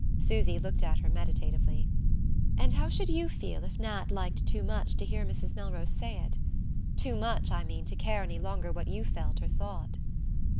Susy looked at her meditatively. "And how should you feel if Nat liked too much to hear Mrs. Melrose say it? Too much, I mean, to care any longer what you felt or thought?"